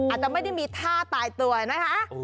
อาจจะไม่ตายตัวนะค่ะ